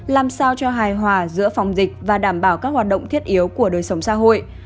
làm sao cho hài hòa giữa phòng dịch và đảm bảo các hoạt động thiết yếu của đời sống xã hội